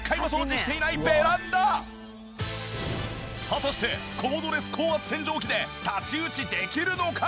果たしてコードレス高圧洗浄機で太刀打ちできるのか？